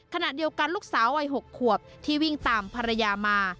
ขณะเดียวกันลูกสาววัย๖ขวบที่วิ่งตามภรรยามา